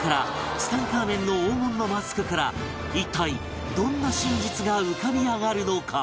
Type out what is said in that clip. ツタンカーメンの黄金のマスクから一体どんな真実が浮かび上がるのか？